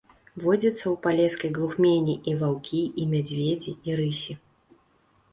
Водзяцца ў палескай глухмені і ваўкі, і мядзведзі, і рысі.